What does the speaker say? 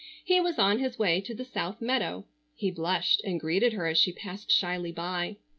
He was on his way to the South meadow. He blushed and greeted her as she passed shyly by.